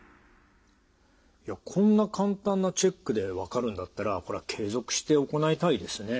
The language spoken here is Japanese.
こんな簡単なチェックで分かるんだったらこれは継続して行いたいですね。